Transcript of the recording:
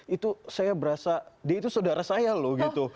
itu saya berasa dia itu saudara saya loh gitu